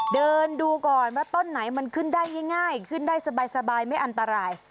เดินดูก่อนว่าต้นไหนมันขึ้นได้ง่ายขึ้นได้สบายไม่อันตราย